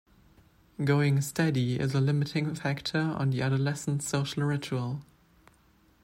Going steady is a limiting factor on the adolescent social ritual.